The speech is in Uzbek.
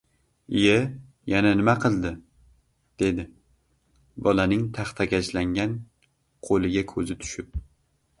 lye, yana nima qildi? - dedi bolaning taxtakachlan- gan qo‘liga ko‘zi tushib.